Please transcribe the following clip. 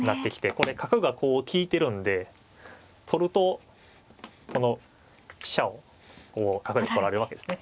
これ角がこう利いてるんで取るとこの飛車をこう角に取られるわけですね。